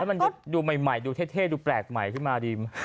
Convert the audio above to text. มันดูใหม่ดูเท่ดูแปลกใหม่ขึ้นมาดี